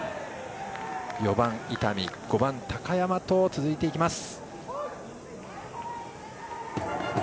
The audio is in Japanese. ４番、伊丹５番、高山と続いていきます。